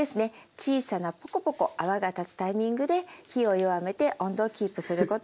小さなポコポコ泡が立つタイミングで火を弱めて温度をキープすることが大事になります。